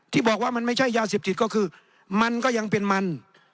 ที่บอกว่ามันไม่ใช่ยาเสพติดก็คือมันก็ยังเป็นมัน